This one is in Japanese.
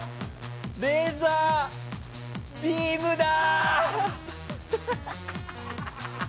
レーザービームだ！